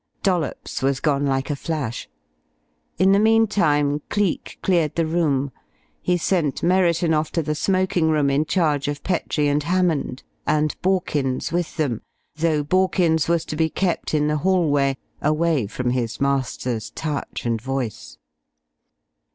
Dollops was gone like a flash. In the meantime Cleek cleared the room. He sent Merriton off to the smoking room in charge of Petrie and Hammond, and Borkins with them though Borkins was to be kept in the hallway, away from his master's touch and voice.